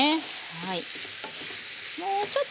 はい。